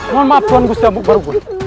mohon maaf tuhan gusti ambu barukun